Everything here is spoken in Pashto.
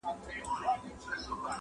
خلک يو بل ملامتوي ډېر سخت